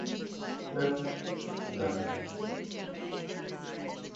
No... Nothing.